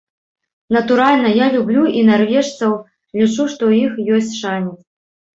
Натуральна, я люблю і нарвежцаў, лічу, што ў іх ёсць шанец.